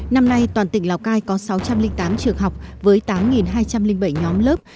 năm nay toàn tỉnh lào cai có sáu trăm linh tám trường học với tám hai trăm linh bảy nhóm lớp